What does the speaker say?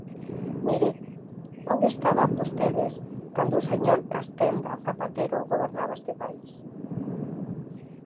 Mire, ¿onde estaban vostedes cando o señor Castenda Zapatero gobernaba este país?